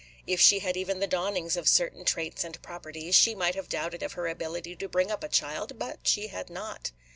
If she had had even the dawnings of certain traits and properties, she might have doubted of her ability to bring up a child; but she had not.